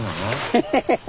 ヘヘヘヘ。